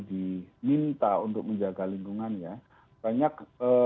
diminta untuk menjaga lingkungannya banyak